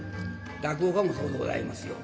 落語家もそうでございますよ。